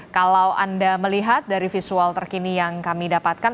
kalau anda melihat dari visual terkini yang kami dapatkan